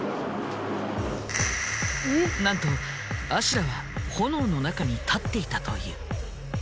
なんと阿修羅は炎の中に立っていたという。